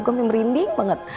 gue mampir merinding banget